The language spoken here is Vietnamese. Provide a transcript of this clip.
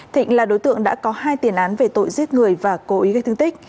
thịnh là đối tượng đã có hai tiền án về tội giết người và cố ý gây thương tích